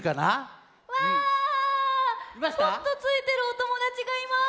ポットついてるおともだちがいます。